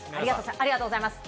ありがとうございます。